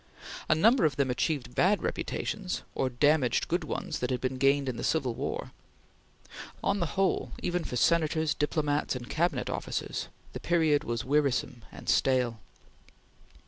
A number of them achieved bad reputations, or damaged good ones that had been gained in the Civil War. On the whole, even for Senators, diplomats, and Cabinet officers, the period was wearisome and stale.